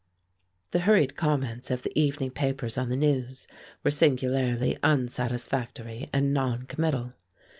The hurried comments of the evening papers on the news were singularly unsatisfactory and non committal.